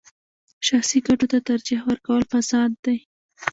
شخصي ګټو ته ترجیح ورکول فساد دی.